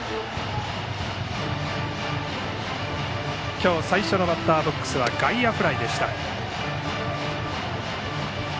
今日最初のバッターボックスは外野フライでした。